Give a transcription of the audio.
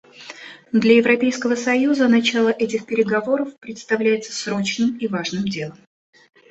Для Европейского союза начало этих переговоров представляется срочным и важным делом.